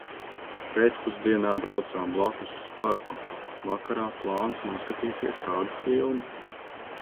Pēcpusdienā braucām blakus uz parku. Vakarā plāns noskatīties kādu filmu.